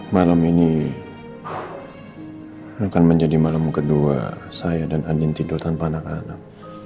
malam ini akan menjadi malam kedua saya dan andin tidur tanpa anak anak